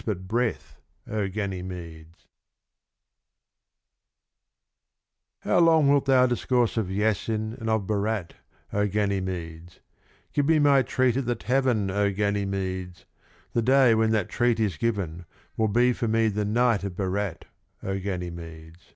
''4^4) THE RUBAIYAT OF KHAIYAM How long wilt thou discourse of Yassin and of Berat, o Ganymedes ? Give me my Treat at the Tavern, o Ganymedes. The day when that Treat is given, will be for me the Night of Berat, o Ganymedes.